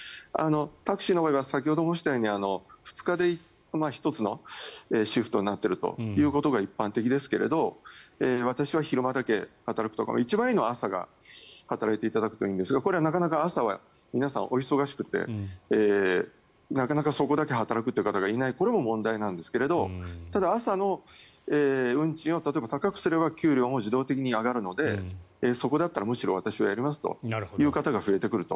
タクシーの場合は先ほど申したように２日で１つのシフトになっていることが一般的ですが私は昼間だけ働くとか一番いいのは朝働いていただくといいんですがこれはなかなか朝は皆さんお忙しくてなかなかそこだけ働く方がいないこれも問題なんですがただ、朝の運賃を高くすれば給料も自動的に上がるのでそこだったらむしろ私はやりますという方が増えてくると。